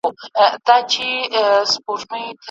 لا ویده پښتون له ځانه بېخبر دی